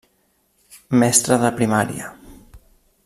Mestre de Primària.